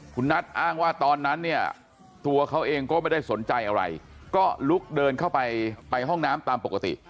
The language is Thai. คุณนัทอ้างว่าตอนนั้นเนี่ยตัวเขาเองก็ไม่ได้สนใจอะไรก็ลุกเดินเข้าไปไปห้องน้ำตามปกติ